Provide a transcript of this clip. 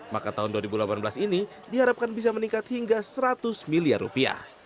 maka tahun dua ribu delapan belas ini diharapkan bisa meningkat hingga seratus miliar rupiah